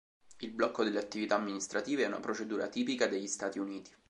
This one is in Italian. Il blocco delle attività amministrative è una procedura tipica degli Stati Uniti.